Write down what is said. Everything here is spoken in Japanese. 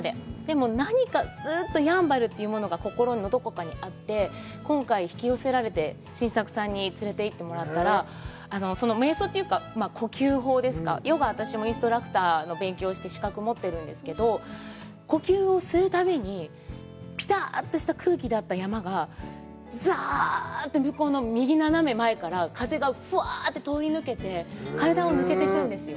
何かやんばるというものが心のどこかにあって、今回、引き寄せられて晋作さんにつれていってもらったら、その瞑想というか、呼吸法ですか、ヨガ、私もインストラクターの勉強をして資格を持ってるんですけど、呼吸をするたびに、ぴたっとした空気だった山が、ざぁって右斜め前から風がふわってとおり抜けて、体を抜けてくんですよ。